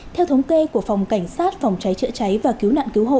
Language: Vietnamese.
theo thống kê của phòng cảnh sát